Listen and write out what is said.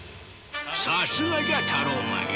さすがじゃタローマンよ。